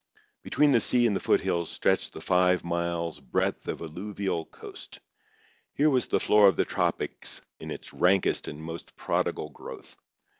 Between the sea and the foothills stretched the five miles breadth of alluvial coast. Here was the flora of the tropics in its rankest and most prodigal growth.